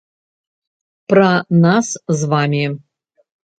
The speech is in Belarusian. Пра нас з вамі.